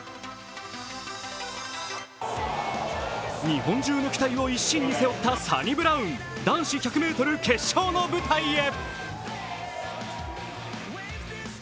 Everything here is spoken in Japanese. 日本中の期待を一身に背負ったサニブラウン、男子１００ｍ決勝の舞台へ。